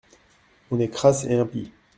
On est crasse et impie.